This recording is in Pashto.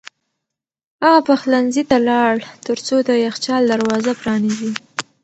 هغه پخلنځي ته لاړ ترڅو د یخچال دروازه پرانیزي.